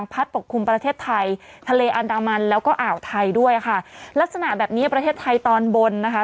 ปกคลุมประเทศไทยทะเลอันดามันแล้วก็อ่าวไทยด้วยค่ะลักษณะแบบนี้ประเทศไทยตอนบนนะคะ